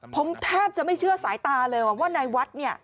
ผมแทบจะไม่เชื่อสายตาเลยว่านายวัดเนี่ย